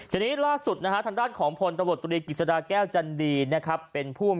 ทีนี้ล่าสุดนะฮะทางด้านของพลตำรวจตรีกิจสดาแก้วจันดีนะครับเป็นผู้อำ